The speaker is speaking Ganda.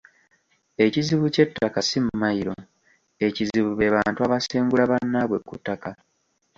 Ekizibu kye ttaka si mmayiro, ekizibu be bantu abasengula bannaabwe ku ttaka.